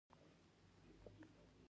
راکټ د سپوږمۍ لومړنی مسافر بوتله